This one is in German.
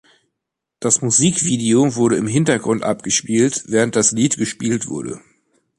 Das Musikvideo wurde im Hintergrund abgespielt, während das Lied gespielt wurde.